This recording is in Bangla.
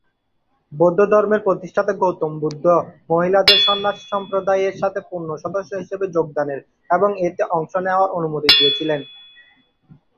বৌদ্ধধর্মের প্রতিষ্ঠাতা গৌতম বুদ্ধ মহিলাদের সন্ন্যাসী সম্প্রদায়ের সাথে পূর্ণ সদস্য হিসেবে যোগদানের এবং এতে অংশ নেওয়ার অনুমতি দিয়েছিলেন।